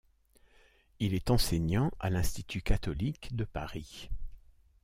Il est enseignant à l'Institut catholique de Paris.